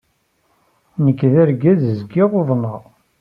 Nekk d argaz zgiɣ uḍneɣ.